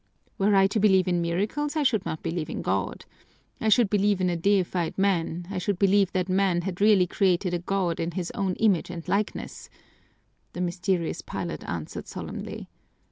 "Were I to believe in miracles, I should not believe in God. I should believe in a deified man, I should believe that man had really created a god in his own image and likeness," the mysterious pilot answered solemnly.